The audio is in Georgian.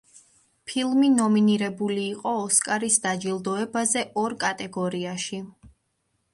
ფილმი ნომინირებული იყო ოსკარის დაჯილდოებაზე ორ კატეგორიაში.